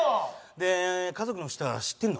で家族の人は知ってるの？